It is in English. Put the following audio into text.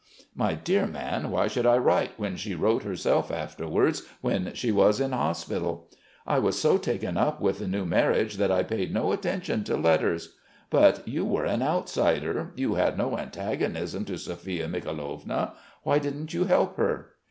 "My dear man, why should I write, when she wrote herself afterwards when she was in hospital?" "I was so taken up with the new marriage that I paid no attention to letters.... But you were an outsider; you had no antagonism to Sophia Mikhailovna.... Why didn't you help her?"